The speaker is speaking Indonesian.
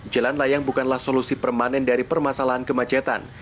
jalan layang bukanlah solusi permanen dari permasalahan kemacetan